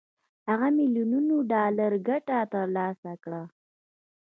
هغه میلیونونه ډالر ګټه تر لاسه کړه